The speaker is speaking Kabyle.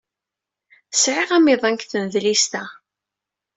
Sɛiɣ amiḍan deg tnedlist-a.